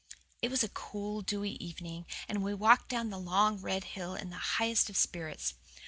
It was a cool, dewy evening, and we walked down the long, red hill in the highest of spirits.